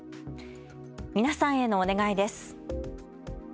皆さんへのお願いです。